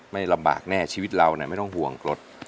ไม่ลำบากแน่ชีวิตเราไม่ต้องห่วงรถ